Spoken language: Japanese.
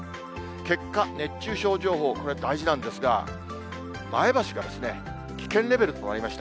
結果、熱中症情報、これ、大事なんですが、前橋が危険レベルとなりました。